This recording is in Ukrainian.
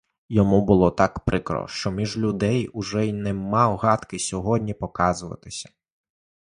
Йому було так прикро, що між людей уже й не мав гадки сьогодні показуватися.